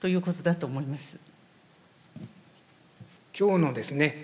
今日のですね